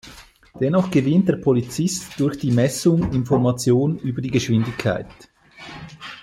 Dennoch gewinnt der Polizist durch die Messung Information über die Geschwindigkeit.